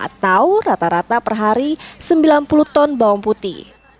atau rata rata per hari sembilan puluh ton bawang putih